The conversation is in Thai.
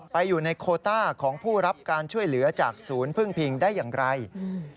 ไปอยู่ในโคต้าของผู้รับการช่วยเหลือจากศูนย์พึ่งพิงได้อย่างไรอืม